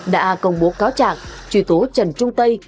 đã công bố cáo trạng truy tố trần trung tây